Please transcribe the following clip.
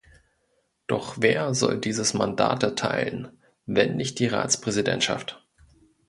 Doch wer soll dieses Mandat erteilen, wenn nicht die Ratspräsidentschaft?